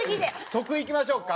徳井いきましょうか？